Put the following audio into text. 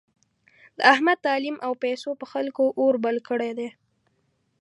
د احمد تعلیم او پیسو په خلکو اور بل کړی دی.